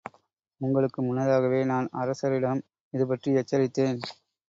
உங்களுக்கு முன்னதாகவே நான் அரசரிடம் இதுபற்றி எச்சரித்தேன்.